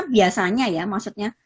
biasanya ya maksudnya